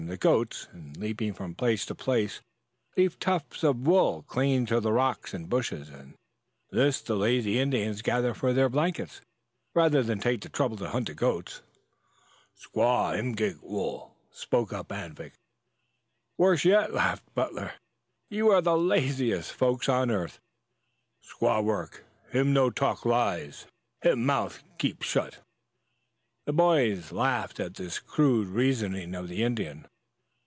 The goats, in leaping from place to place, leave tufts of wool clinging to rocks and bushes, and this the lazy Indians gather for their blankets, rather than take the trouble to hunt the goats." "Squaw him get wool," spoke up Anvik. "Worse yet," laughed Butler. "You are the laziest folks on earth." "Squaw work, him no talk lies. Him mouth keep shut." The boys laughed at this crude reasoning of the Indian.